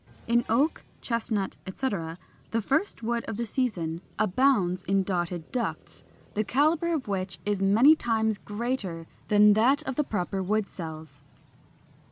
In Oak, Chestnut, etc., the first wood of the season abounds in dotted ducts, the calibre of which is many times greater than that of the proper wood cells.